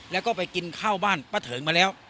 แล้วก็ไปกินข้าวบ้านป้าเถิงมาแล้ว